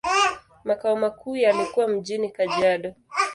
Makao makuu yalikuwa mjini Kajiado.